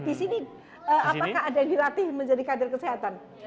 apakah ada yang dilatih menjadi kadir kesehatan